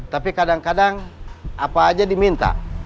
tapi kadang kadang apa aja diminta